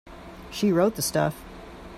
She wrote the stuff.